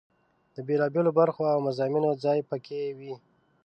د بېلا بېلو برخو او مضامینو ځای په کې وي.